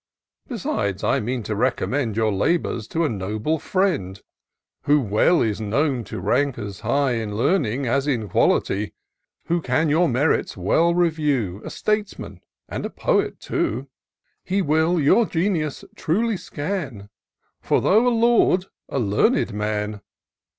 127 Besides^ I mean to recommend Your labours to a noble friend, Who well is known to rank as high In learning, as in quality ; Who can your merits well review ; A statesman, and a poet too ; He will your genius truly scan, And though a lord, a learned man.